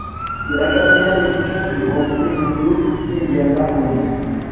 C'est la quatrième édition du Grand Prix moto d'Indianapolis.